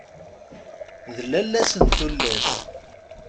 D lalla-s n tullas!